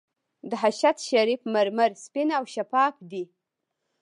د چشت شریف مرمر سپین او شفاف دي.